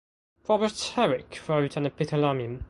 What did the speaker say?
Robert Herrick wrote an Epithalamium.